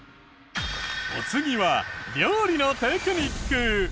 お次は料理のテクニック。